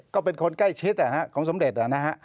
ก็เป็นคนใกล้ชิดของสมเด็จนะฮะ